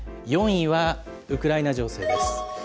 ４位はウクライナ情勢です。